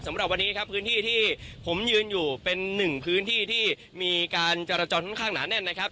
สำหรับวันนี้ครับพื้นที่ที่ผมยืนอยู่เป็นหนึ่งพื้นที่ที่มีการจรจรค่อนข้างหนาแน่นนะครับ